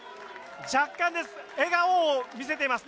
若干です